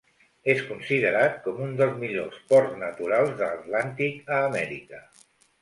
És considerat com un dels millors ports naturals de l'Atlàntic a Amèrica.